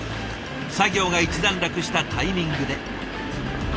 作業が一段落したタイミングで。